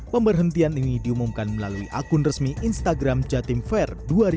pemberhentian ini diumumkan melalui akun resmi instagram jatim fair dua ribu dua puluh